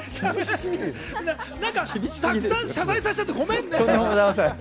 たくさん謝罪させちゃってごめんね。